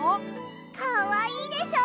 かわいいでしょ。